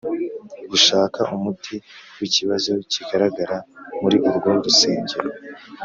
gushaka umuti w ikibazo kigaragara muri urwo rusengero.